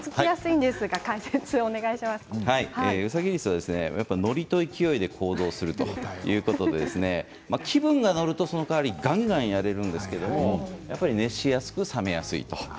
うさギリスはのりと勢いで行動するということで気分がのるとその代わりがんがんやれるんですけれどやっぱり熱しやすく冷めやすい。